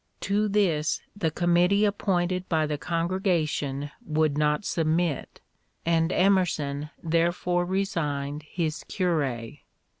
To this the committee appointed by the congregation would not submit, and Emerson therefore resigned his cure.